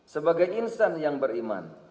sebagai insan yang beriman